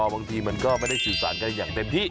บางทีมันก็ไม่ได้สื่อสารกันอย่างเต็มที่